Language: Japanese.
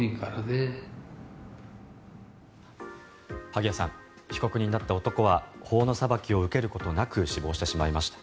萩谷さん被告人だった男は法の裁きを受けることなく死亡してしまいました。